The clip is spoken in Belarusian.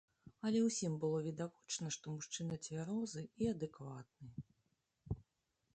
Але ўсім было відавочна, што мужчына цвярозы і адэкватны.